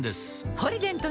「ポリデント」